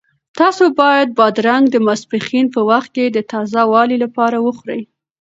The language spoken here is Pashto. تاسو باید بادرنګ د ماسپښین په وخت کې د تازه والي لپاره وخورئ.